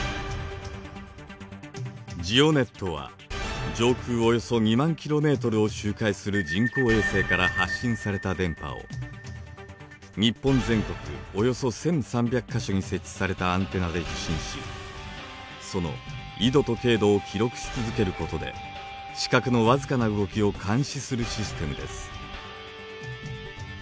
ＧＥＯＮＥＴは上空およそ２万ｋｍを周回する人工衛星から発信された電波を日本全国およそ１，３００か所に設置されたアンテナで受信しその緯度と経度を記録し続けることで地殻の僅かな動きを監視するシステムです。